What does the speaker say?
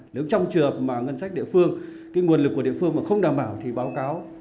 nếu trong trường hợp mà ngân sách địa phương cái nguồn lực của địa phương mà không đảm bảo thì báo cáo